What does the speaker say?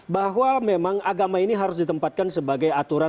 bahwa memang agama ini harus ditempatkan sebagai aturan